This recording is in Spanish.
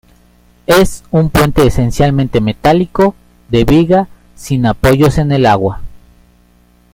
Es un puente esencialmente metálico, de viga, sin apoyos en el agua.